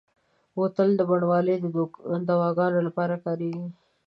بوتل د بڼوالو د دواګانو لپاره کارېږي.